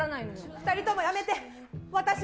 ２人ともやめて。